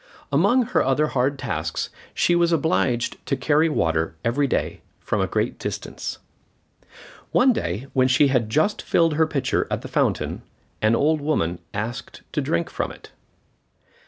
Among her other hard tasks, she was obliged to carry water every day from a great distance. One day when she had just filled her pitcher at the fountain, an old woman asked to drink from it.